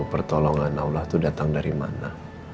pertolongan allah itu datang dari mana